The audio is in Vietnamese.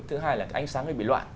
thứ hai là ánh sáng hơi bị loạn